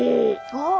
あっ。